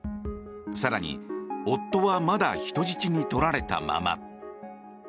更に、夫はまだ人質にとられたまま。